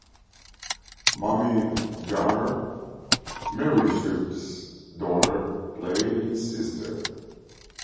Mamie Gummer, Meryl Streep's daughter, played his sister.